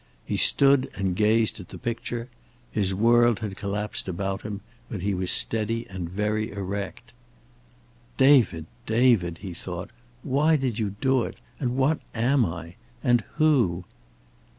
He stood and gazed at the picture. His world had collapsed about him, but he was steady and very erect. "David, David!" he thought. "Why did you do it? And what am I? And who?"